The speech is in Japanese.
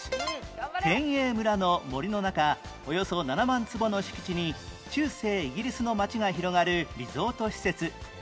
天栄村の森の中およそ７万坪の敷地に中世イギリスの街が広がるリゾート施設